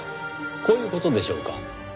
こういう事でしょうか。